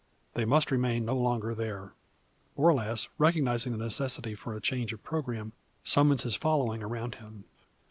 They must remain no longer there. Borlasse recognising the necessity for a change of programme, summons his following around him.